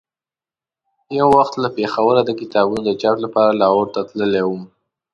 یو وخت له پېښوره د کتابونو د چاپ لپاره لاهور ته تللی وم.